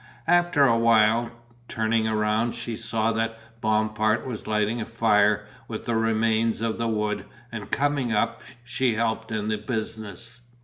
After a while, turning round, she saw that Bompard was lighting a fire with the remains of the wood and, coming up, she helped in the business.